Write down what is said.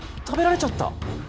食べられちゃった？